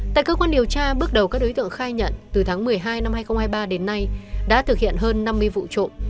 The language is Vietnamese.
tại cơ quan điều tra bước đầu các đối tượng khai nhận từ tháng một mươi hai năm hai nghìn hai mươi ba đến nay đã thực hiện hơn năm mươi vụ trộm